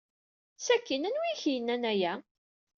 Sakkin anwa ay ak-yennan aya?